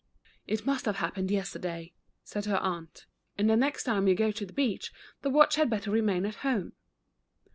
" It must have happened yesterday." said her 1 1 8 The Runaway Watch. aunt, " and the next time you go to the beach the watch had better remain at home."